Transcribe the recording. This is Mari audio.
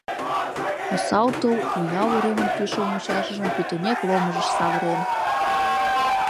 Осал тул Уял уремын кӱшыл мучашыжым пӱтынек ломыжыш савырен.